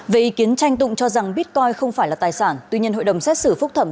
về ý kiến tranh tụng cho rằng bitcoin không phải là tài sản tuy nhiên hội đồng xét xử phúc thẩm